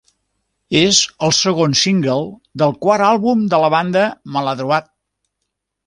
És el segon single del quart àlbum de la banda, "Maladroit".